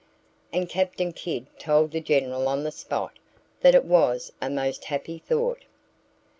And Captain Kidd told the General on the spot that it was a most happy thought.